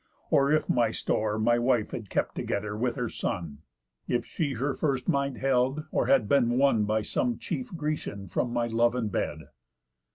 Or if my store My wife had kept together with her son? If she her first mind held, or had been won By some chief Grecian from my love and bed?